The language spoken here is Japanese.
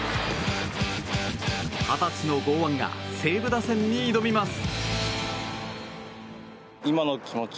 二十歳の剛腕が西武打線に挑みます。